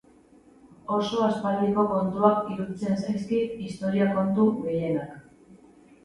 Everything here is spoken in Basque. Oso aspaldiko kontuak iruditzen zaizkit historia kontu gehienak.